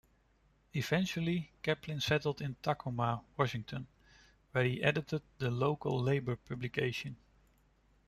Eventually Chaplin settled in Tacoma, Washington, where he edited the local labor publication.